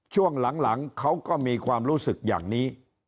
ช่วงหลังเขาก็มีความรู้สึกอย่างนี้